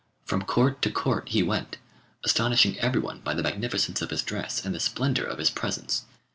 From court to court he went, astonishing everyone by the magnificence of his dress and the splendour of his presents.